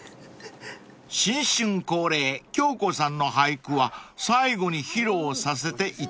［新春恒例京子さんの俳句は最後に披露させていただきます］